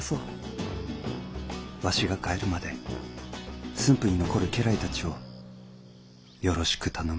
わしが帰るまで駿府に残る家来たちをよろしく頼む」。